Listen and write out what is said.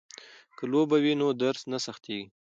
که لوبه وي نو درس نه سختيږي.